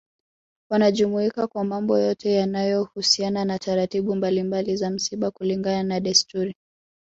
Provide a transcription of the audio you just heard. Wanajumuika kwa mambo yote yanayo husiana na taratibu mbalimbali za msiba kulingana na desturi